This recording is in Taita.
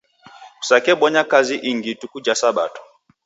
Kusakebonya kazi ingi ituku ja sabato.